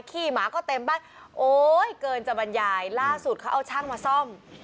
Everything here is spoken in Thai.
ขี้หมาก็เต็มบ้านโอ๊ยเกินจะบรรยายล่าสุดเขาเอาช่างมาซ่อม